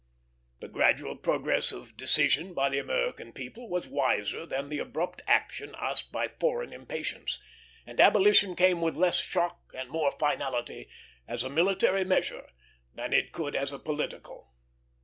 The gradual progress of decision by the American people was wiser than the abrupt action asked by foreign impatience; and abolition came with less shock and more finality as a military measure than it could as a political.